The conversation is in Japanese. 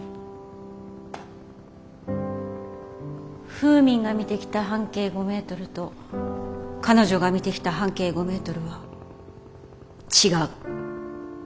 フーミンが見てきた半径５メートルと彼女が見てきた半径５メートルは違う。